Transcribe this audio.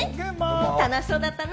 楽しそうだったな。